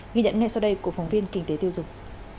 nghi nhận ngay sau đây của phóng viên kinh tế tiêu dụng